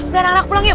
udah narak pulang yuk